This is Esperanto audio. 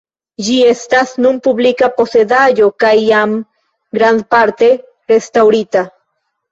Ĝi estas nun publika posedaĵo kaj jam grandparte restaŭrita.